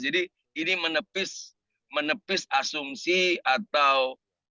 jadi ini menepis asumsi atau